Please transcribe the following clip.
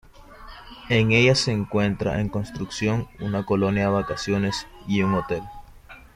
En ella se encuentra en construcción una colonia de vacaciones y un hotel.